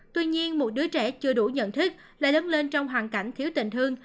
tuy nhiên một đứa trẻ chưa đủ nhận thức lại lớn lên trong hoàn cảnh thiếu tình thương